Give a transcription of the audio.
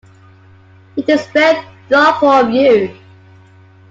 It is very thoughtful of you.